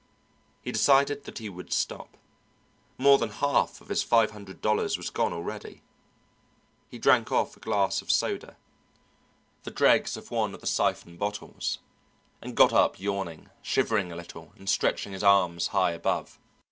He decided that he would stop; more than half of his five hundred dollars was gone already. He drank off a glass of soda, the dregs of one of the siphon bottles, and got up yawning, shivering a little and stretching his arms high above.